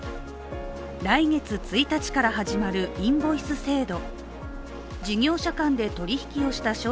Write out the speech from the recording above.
来月１日から始まるインボイス制度。